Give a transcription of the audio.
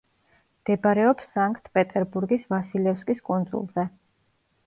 მდებარეობს სანქტ-პეტერბურგის ვასილევსკის კუნძულზე.